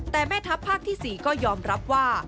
แต่แม่ทัพภาคที่๔ก็ยอมรับว่า